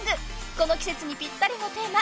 ［この季節にぴったりのテーマ。